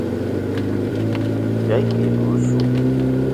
Bìayî ke e dula ossu.